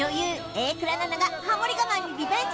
榮倉奈々がハモリ我慢にリベンジ